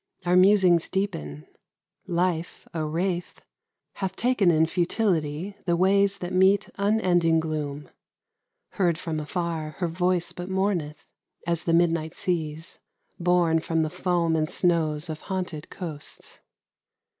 Our musings deepen. Life, a wraith, Hath taken in futility the ways That mete unending gloom. Heard from afar, Her voice but mourneth, as the midnight sea's, Borne from the foam and snows of haunted coasts.